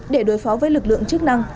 để đối phó với lực lượng chức năng